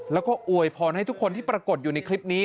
แล้วก็อวยพรให้ทุกคนที่ปรากฏอยู่ในคลิปนี้